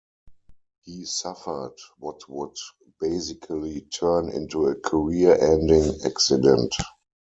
He suffered what would basically turn into a career-ending accident.